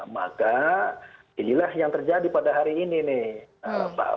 maka inilah yang terjadi pada hari ini nih pak